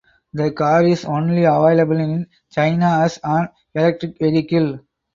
The car is only available in China as an electric vehicle.